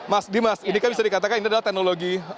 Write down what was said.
mas dimas ini kan bisa dikatakan ini adalah teknologi